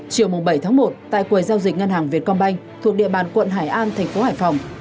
chiều bảy tháng một tại quầy giao dịch ngân hàng việt công banh thuộc địa bàn quận hải an thành phố hải phòng